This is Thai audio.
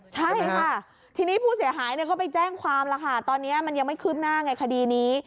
ใช่ค่ะทีนี้ผู้เสียหายก็ไปแจ้งความแล้วค่ะตอนนี้มันยังไม่คืบหน้าไงคดีนี้